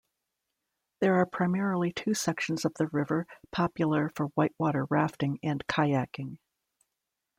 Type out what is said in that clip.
There are primarily two sections of the river popular for whitewater rafting and kayaking.